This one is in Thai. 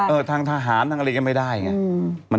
เออทางทหารทางอะไรกันไม่ได้อย่างเนี่ย